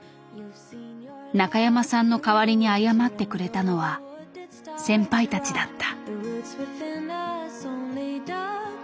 中山さんの代わりに謝ってくれたのは先輩たちだった。